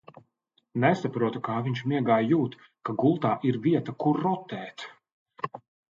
Nesaprotu, kā viņš miegā jūt, ka gultā ir vieta, kur rotēt.